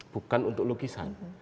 bukan untuk lukisan